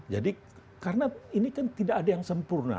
jadi karena ini kan tidak ada yang sempurna